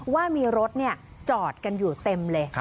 ว่ามีรถจอดกันอยู่เต็มเลย